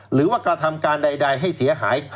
หรือว่ากระทำการใดให้เสียหาย